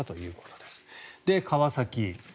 で、川崎。